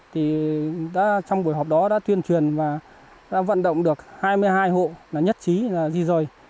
trong buổi họp đó đã tuyên truyền và vận động được hai mươi hai hộ nhất trí di rời